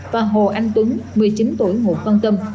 và hồ anh tuấn một mươi chín tuổi ngũ văn tâm